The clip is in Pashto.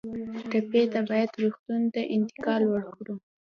ټپي ته باید روغتون ته انتقال ورکړو.